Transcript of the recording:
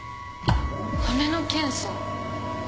骨の検査？